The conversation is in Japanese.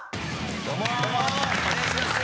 どうも。